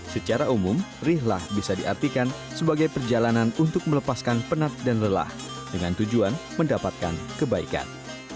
secara umum rihlah bisa diartikan sebagai perjalanan untuk melepaskan penat dan lelah dengan tujuan mendapatkan kebaikan